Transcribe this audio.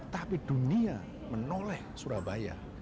tapi dunia menoleh surabaya